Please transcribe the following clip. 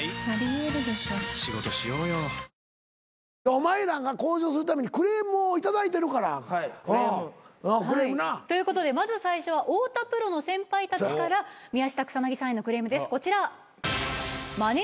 お前らが向上するためにクレームを頂いてるから。ということでまず最初は太田プロの先輩たちから宮下草薙さんへのクレームですこちら。